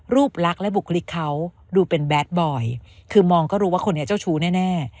รูปลักษณ์และบุคลิกเขาดูเป็นแดดบอยคือมองก็รู้ว่าคนนี้เจ้าชู้แน่